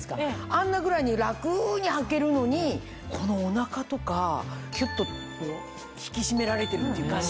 あんなぐらいに楽にはけるのにこのお腹とかきゅっと引き締められてるっていう感じ。